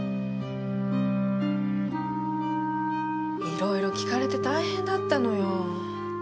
いろいろ聞かれて大変だったのよ。